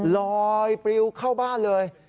ลอยปริวเข้าบ้านเลย